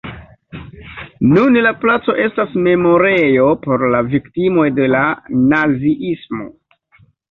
Nun la placo estas memorejo por la viktimoj de la naziismo.